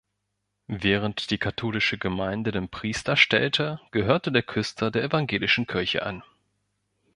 Während die katholische Gemeinde den Priester stellte, gehörte der Küster der evangelischen Kirche an.